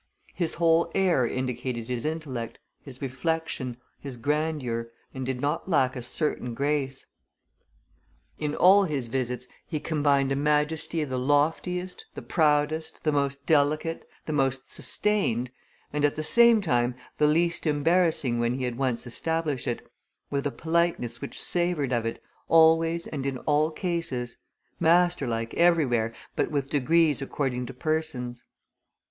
His whole air indicated his intellect, his reflection, his grandeur, and did not lack a certain grace. In all his visits he combined a majesty the loftiest, the proudest, the most delicate, the most sustained, at the same time the least embarrassing when he had once established it, with a politeness which savored of it, always and in all cases; masterlike everywhere, but with degrees according to persons.